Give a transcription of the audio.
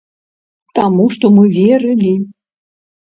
Таму што мы верылі!